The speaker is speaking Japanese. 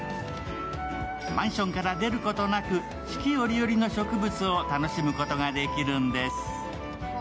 マンションから出ることなく、四季折々の植物を楽しむことができるんです。